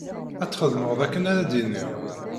Ad txedmeḍ akken ara d-iniɣ.